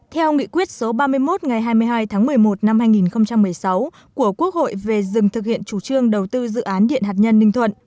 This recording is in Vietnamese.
theo nghị quyết số ba mươi một ngày hai mươi hai tháng một mươi một năm hai nghìn một mươi sáu của quốc hội về dừng thực hiện chủ trương đầu tư dự án điện hạt nhân ninh thuận